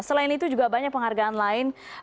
selain itu juga banyak penghargaan lain